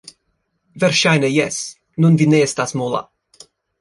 Verŝajne jes... nun vi ne estas mola